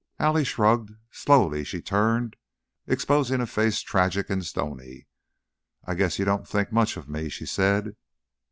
Allie shrugged; slowly she turned, exposing a face tragic and stony. "I guess you don't think much of me," she said.